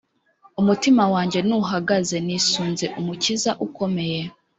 Umutima wanjye ntuhagaze nisunze umukiza ukomeye